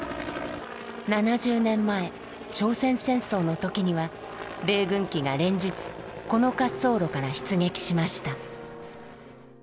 ７０年前朝鮮戦争の時には米軍機が連日この滑走路から出撃しました。